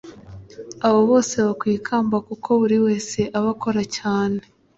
aba bose baba bakwiye ikamba kuko buri wese aba akora cyane